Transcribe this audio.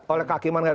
oleh kakak ngakiman